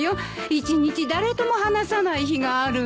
一日誰とも話さない日があるの。